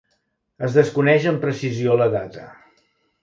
Es desconeix amb precisió la data.